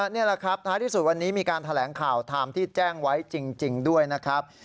นี่แหละครับท้ายที่สุดวันนี้มีการแถลงข่าวไทม์ที่แจ้งไว้จริงด้วยนะครับ